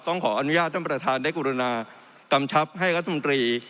ต้องขออนุญาตท่านประทานได้กุรุณากำชับให้กระทรมตรี